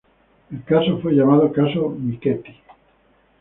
El caso fue llamado Caso Michetti.